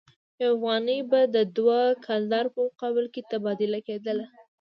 یو افغانۍ به د دوه کلدارو په مقابل کې تبادله کېدله.